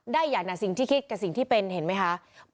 ได้อย่างนั้นสิ่งที่คิดกับสิ่งที่เป็นเห็นมั้ยคะ